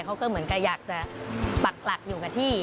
เขาก็เหมือนกับอยากจะปักหลักอยู่กับที่